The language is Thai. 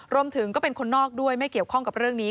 รวมถึงก็เป็นคนนอกด้วยไม่เกี่ยวข้องกับเรื่องนี้